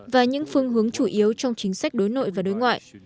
và những phương hướng chủ yếu trong chính sách đối nội